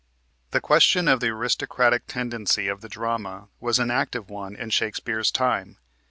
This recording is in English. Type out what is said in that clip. The question of the aristocratic tendency of the drama was an active one in Shakespeare's time.